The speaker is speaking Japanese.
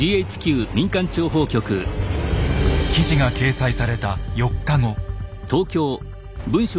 記事が掲載された４日後。